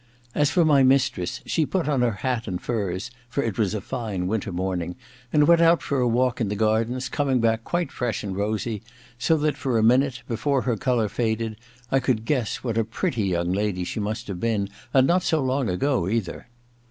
As for my mistress, she put on her hat and furs (for it was a fine winter morning) and went out for a walk in the gardens, coming back quite fresh and rosy, so that for a minute, before her colour faded, I could guess what a pretty young lady she must have been, and not so long ago, either.